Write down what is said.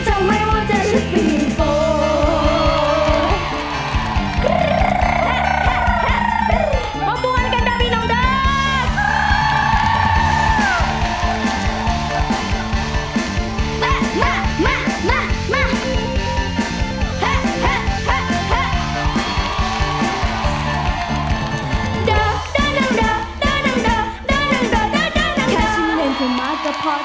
เจ้าไม่ว่าต้องจะฉันเป็นโต